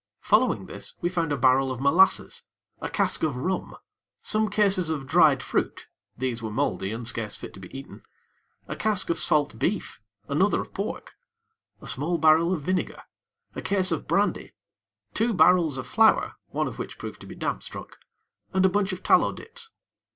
Following this, we found a barrel of molasses; a cask of rum; some cases of dried fruit these were mouldy and scarce fit to be eaten; a cask of salt beef, another of pork; a small barrel of vinegar; a case of brandy; two barrels of flour one of which proved to be damp struck; and a bunch of tallow dips.